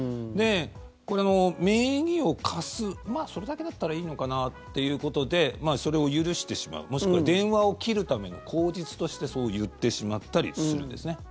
これも、名義を貸すまあ、それだけだったらいいのかなっていうことでそれを許してしまう、もしくは電話を切るための口実としてそう言ってしまったりするんですね。